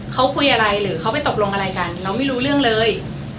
เขาคุยอะไรหรือเขาไปตกลงอะไรกันเราไม่รู้เรื่องเลย